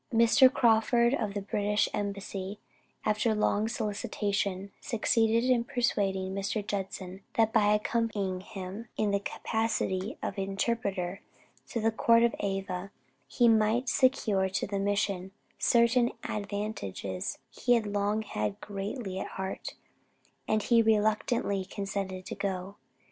Mr. Crawford of the British Embassy after long solicitation, succeeded in persuading Mr. Judson, that by accompanying him in the capacity of interpreter to the court of Ava he might secure to the mission certain advantages he had long had greatly at heart, and he reluctantly consented to go.